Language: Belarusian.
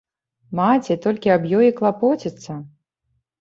Маці толькі аб ёй і клапоціцца.